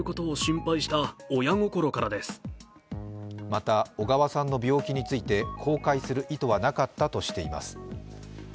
また、小川さんの病気について公開する意図はなかったとしています。